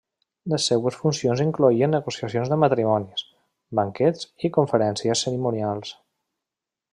Les seues funcions incloïen negociacions de matrimonis, banquets i conferències cerimonials.